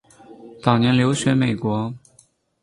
早年留学美国。